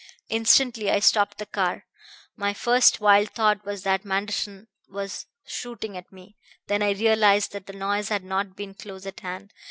"Instantly I stopped the car. My first wild thought was that Manderson was shooting at me. Then I realized that the noise had not been close at hand.